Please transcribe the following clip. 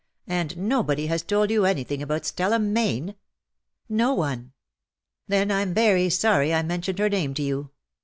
And nobody has told you anything about Stella Mayne ?"'' No one !"^^ Then Pm very sorry I mentioned her name to you.